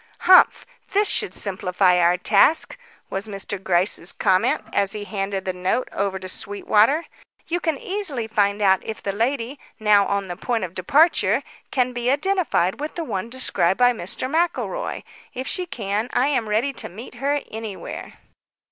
"Humph! This should simplify our task," was Mr. Gryce's comment, as he handed the note over to Sweetwater. "You can easily find out if the lady, now on the point of departure, can be identified with the one described by Mr. McElroy. If she can, I am ready to meet her anywhere."